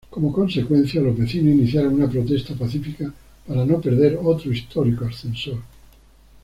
Como consecuencia, los vecinos iniciaron una protesta pacífica para no perder otro histórico ascensor.